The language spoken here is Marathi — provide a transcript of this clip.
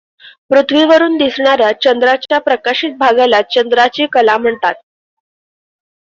पृथ्वीवरून दिसणाऱ्या चंद्राच्या प्रकाशित भागाला चंद्राची कला म्हणतात.